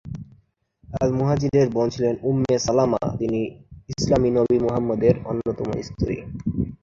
আল-মুহাজিরের বোন ছিলেন Umme Salama, তিনি ইসলামী নবী মুহাম্মদের অন্যতম স্ত্রী।